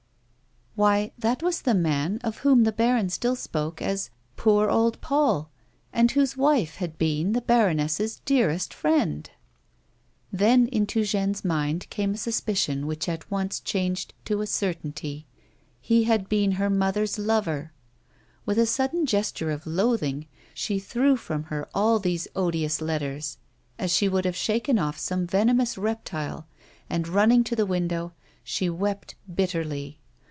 Why, that was the man of whom the baron still spoke as " Poor old Paul," and whose wife had been the baroness's dearest friend ! 160 A WOMAN'S LIFE. Then into Jeanne's mind came a suspicion wljich at once changed to a certainty — he had been her mother's lover ! With a sudden gesture of loathing, she threw from her all these odious letters, as she would have shaken off some venomous reptile, and, running to the window, she wept bitterly.